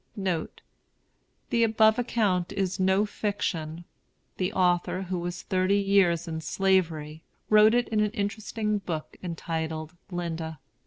NOTE. The above account is no fiction. The author, who was thirty years in Slavery, wrote it in an interesting book entitled "Linda."